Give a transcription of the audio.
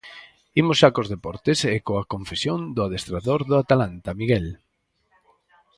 Imos xa cos deportes, e coa confesión do adestrador do Atalanta, Miguel.